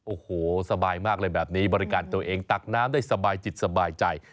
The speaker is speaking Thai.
โอ้โหสบายมากเลยแบบนี้บริการตัวเองตักน้ำได้สบายจิตสบายใจ